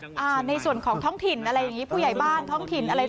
อ่าในส่วนของท้องถิ่นอะไรอย่างนี้ผู้ใหญ่บ้านท้องถิ่นอะไร